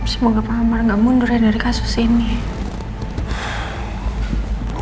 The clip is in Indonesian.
semoga pak ambar tidak mundur dari kasus ini